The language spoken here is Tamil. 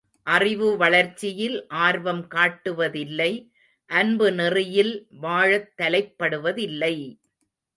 அறிவு வளர்ச்சியில் ஆர்வம் காட்டுவ தில்லை அன்பு நெறியில் வாழத் தலைப்படுவதில்லை!